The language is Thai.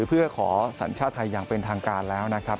เพื่อขอสัญชาติไทยอย่างเป็นทางการแล้วนะครับ